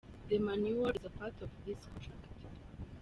The manual is part of this contract.